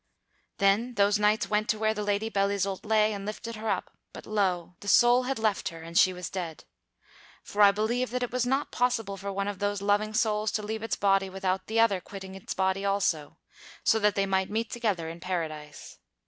Then those knights went to where the Lady Belle Isoult lay and lifted her up; but, lo! the soul had left her, and she was dead. For I believe that it was not possible for one of those loving souls to leave its body with out the other quitting its body also, so that they might meet together in Paradise.